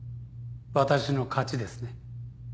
私の勝ちですね。